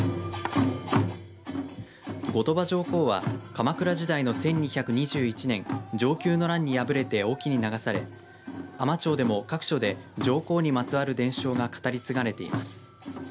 後鳥羽上皇は鎌倉時代の１２２１年、承久の乱に敗れて隠岐に流され海士町でも各所で上皇にまつわる伝承が語り継がれています。